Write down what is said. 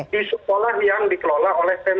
di sekolah yang dikelola oleh pemerintah